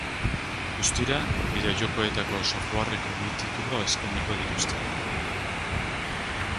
Guztira bideo-jokoetako softwareko bi titulu eskainiko dituzte.